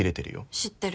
知ってる。